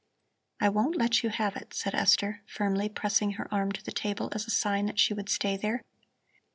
"I won't let you have it," said Esther, firmly pressing her arm to the table as a sign that she would stay there.